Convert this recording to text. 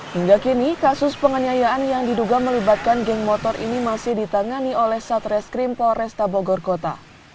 hingga kini kasus penganiayaan yang diduga melibatkan geng motor ini masih ditangani oleh satreskrim polresta bogor kota